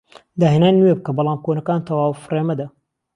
داهێنانی نوێ بکە بەڵام کۆنەکان تەواو فڕێ مەدە